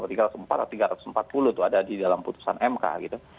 itu ada di dalam putusan mk gitu